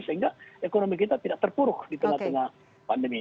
sehingga ekonomi kita tidak terpuruk di tengah tengah pandemi